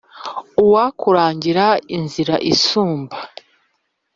Uwakurangira inzira isumba